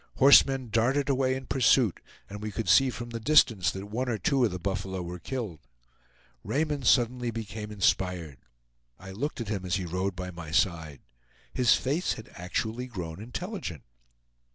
Horsemen darted away in pursuit, and we could see from the distance that one or two of the buffalo were killed. Raymond suddenly became inspired. I looked at him as he rode by my side; his face had actually grown intelligent!